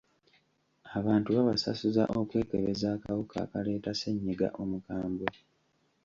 Abantu babasasuza okwekebeza akawuka akaleeta ssennyiga omukambwe.